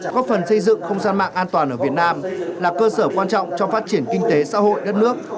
góp phần xây dựng không gian mạng an toàn ở việt nam là cơ sở quan trọng trong phát triển kinh tế xã hội đất nước